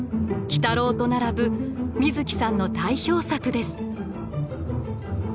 「鬼太郎」と並ぶ水木さんの代表作です。